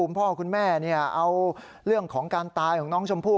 คุณพ่อคุณแม่เนี่ยเอาเรื่องของการตายของน้องชมพู่